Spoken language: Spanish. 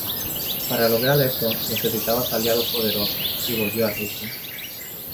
Para lograr esto necesitaba aliados poderosos, y volvió a Egipto.